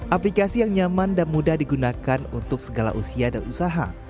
aplikasi yang nyaman dan mudah digunakan untuk segala usia dan usaha